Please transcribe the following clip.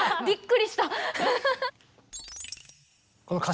びっくりした。